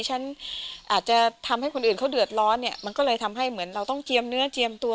ฉันอาจจะทำให้คนอื่นเขาเดือดร้อนเนี่ยมันก็เลยทำให้เหมือนเราต้องเจียมเนื้อเจียมตัว